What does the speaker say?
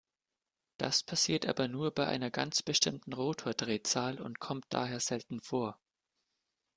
Das passiert aber nur bei einer ganz bestimmten Rotordrehzahl und kommt daher selten vor.